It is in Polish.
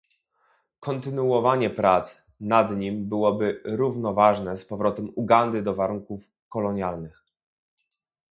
Kontynuowanie prac nad nim byłoby równoważne z powrotem Ugandy do warunków kolonialnych